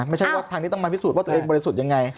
ไม่ใช่ว่าทางนี้ต้องมาพิสูจน์ว่าตัวเองบริสุทธิ์ยังไง